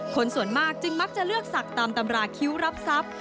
คนส่วนมากจึงมักจะเลือกศักดิ์ตามตำราคิ้วรับทรัพย์